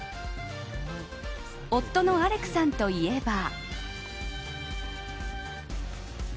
夫のアレクさんといえば。